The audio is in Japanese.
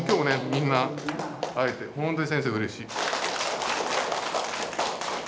みんな会えて本当に先生うれしい。